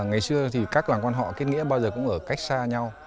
ngày xưa thì các làng quan họ kết nghĩa bao giờ cũng ở cách xa nhau